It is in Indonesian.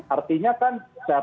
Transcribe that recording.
artinya kan saya tahu kan